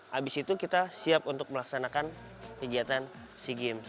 habis itu kita siap untuk melaksanakan kegiatan sea games